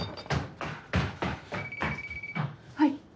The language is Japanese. はい。